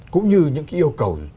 cũng như những cái yêu cầu